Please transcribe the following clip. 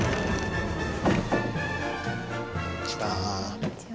こんにちは。